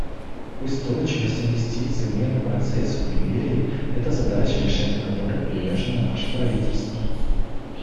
Устойчивость инвестиций в мирный процесс в Либерии — это задача, решению которой привержено наше правительство.